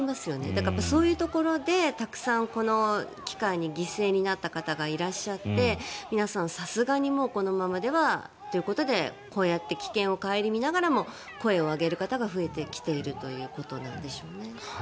だからそういうところでたくさんこの機会に犠牲になった方がいらっしゃって皆さんさすがにもうこのままではということでこうやって危険を顧みながらも声を上げる人が増えてきているということなんでしょうね。